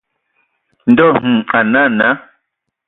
Ndɔ hm a nə naa.